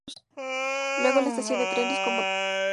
Luego la estación de trenes tomo este nombre.